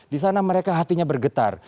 di sana mereka hatinya bergetar